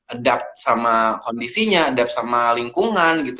adapt sama kondisinya adapt sama lingkungan gitu